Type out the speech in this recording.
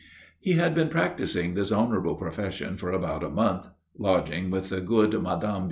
He had been practising this honourable profession for about a month, lodging with the good Mme.